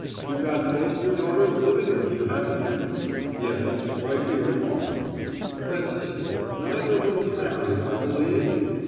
You got both your daughters living with you, haven't you?" "Yes, right here at home." "Let's see: neither of 'em's married, I believe?"